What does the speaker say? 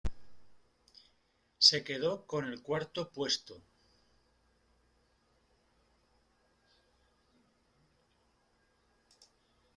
Se quedó con el cuarto puesto.